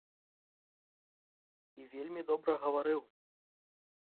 І вельмі добра гаварыў!